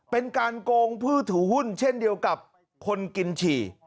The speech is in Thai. เป็นการโกงผู้ถือหุ้นเช่นเดียวกับคนกินฉี่